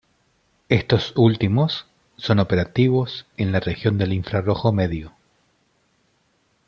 Estos últimos, son operativos en la región del infrarrojo medio.